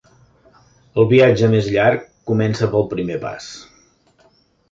El viatge més llarg comença pel primer pas.